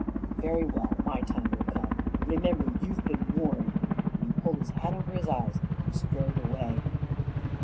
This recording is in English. "Very well, my time will come. Remember, you've been warned," and he pulled his hat over his eyes and strode away.